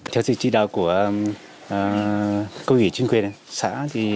theo sự chỉ đạo của cấp ủy chính quyền xã